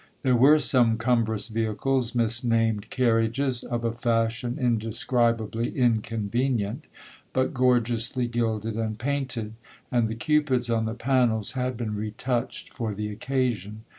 There were some cumbrous vehicles, misnamed carriages, of a fashion indescribably inconvenient, but gorgeously gilded and painted,—and the Cupids on the pannels had been re touched for the occasion.